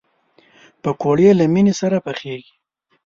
پکورې له مینې سره پخېږي